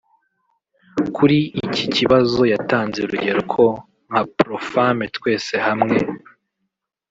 Kuri iki kibazo yatanze urugero ko nka Pro-Femmes Twese Hamwe